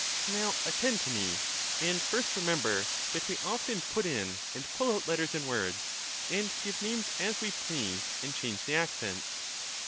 Now, attend to me ; and first, remember that we often put in and pull out letters in words, and give names as we please and change the accents.